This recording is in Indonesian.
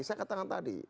saya katakan tadi